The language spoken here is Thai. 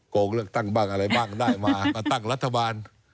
โกงเลือกตั้งบ้างอะไรบ้างได้มามาตั้งรัฐบาล